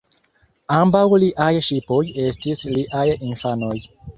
Ambaŭ liaj ŝipoj estis liaj infanoj.